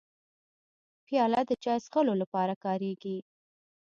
پیاله د چای څښلو لپاره کارېږي.